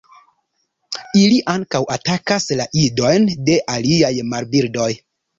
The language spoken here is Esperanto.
Ili ankaŭ atakas la idojn de aliaj marbirdoj.